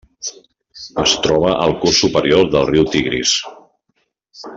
Es troba al curs superior del riu Tigris.